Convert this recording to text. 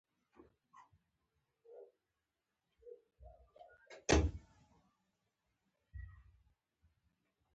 د پاکستان میډیا ته همدا پروژه ورکړای شوې ده.